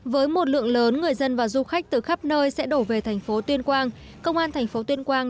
với một lượng lớn người dân và du khách từ khắp nơi sẽ đổ về tp tuyên quang công an tp tuyên quang